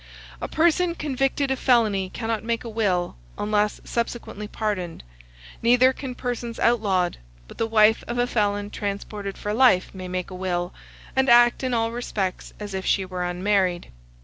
A person convicted of felony cannot make a will, unless subsequently pardoned; neither can persons outlawed; but the wife of a felon transported for life may make a will, and act in all respects as if she were unmarried.